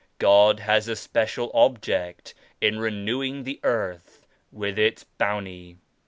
God has a special object in renewing the earth with its bounty.